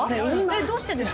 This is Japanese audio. えっどうしてですか？